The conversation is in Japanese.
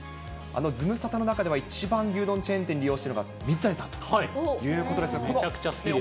ズムサタの中では一番牛丼チェーン店利用しているのが水谷さんとめちゃくちゃ好きです。